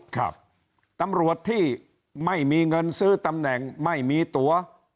ครับตำรวจที่ไม่มีเงินซื้อตำแหน่งไม่มีตัว